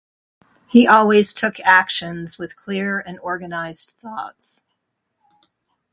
He always took actions with clear and organized thoughts.